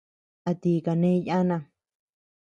¿A ti kane yanam.